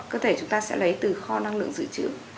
cơ thể chúng ta sẽ lấy từ kho năng lượng dự trữ